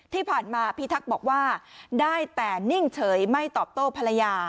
ที่ผ่านมาพิทักษ์บอกว่าได้แต่นิ่งเฉยไม่ตอบโต้ภรรยา